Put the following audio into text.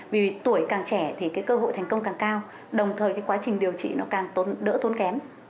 vì tuổi càng trẻ thì cơ hội thành công càng cao đồng thời quá trình điều trị càng đỡ tốn kém